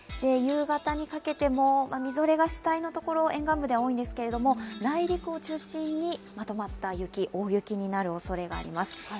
夕方にかけても、みぞれが主体のところ、沿岸部では多いんですけれど内陸を中心にまとまった雪、大雪になるおそれがあります。